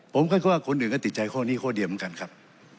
ผมคาดว่าคนอื่นก็ติดใจข้อนี้ข้อเดียวเหมือนกันครับ